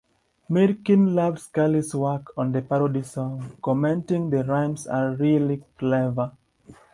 Mirkin loved Scully's work on the parody song, commenting, The rhymes are really clever.